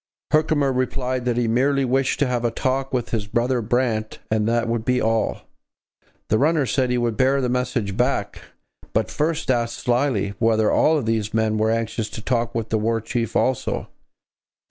Herkimer replied that he merely wished to have a talk with his brother Brant and that would be all. The runner said he would bear the message back, but first asked slyly whether all these men were anxious to talk with the War Chief also.